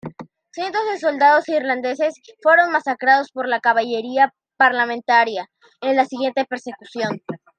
Cientos de soldados irlandeses fueron masacrados por la caballería "Parlamentaria" en la siguiente persecución.